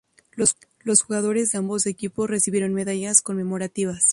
Los jugadores de ambos equipos recibieron medallas conmemorativas.